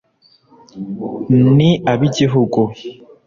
ni ab’igihugu